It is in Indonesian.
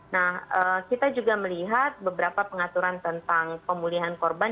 nah kita juga melihat beberapa pengaturan tentang pemulihan korban